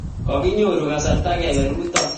Kokinyoru kasarta kepe rutoi